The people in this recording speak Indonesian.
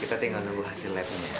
kita tinggal nunggu hasil lab nya ya